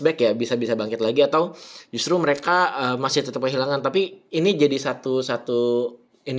back ya bisa bisa bangkit lagi atau justru mereka masih tetap kehilangan tapi ini jadi satu satu ini